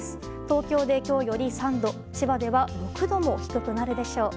東京で今日より３度千葉では６度も低くなるでしょう。